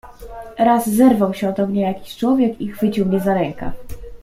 "Raz zerwał się od ognia jakiś człowiek i chwycił mnie za rękaw."